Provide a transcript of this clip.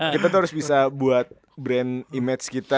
kita tuh harus bisa buat brand image kita